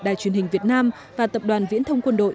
đài truyền hình việt nam và tập đoàn viễn thông quân đội